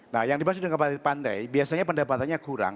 nah yang dimaksud dengan pantai pantai biasanya pendapatannya kurang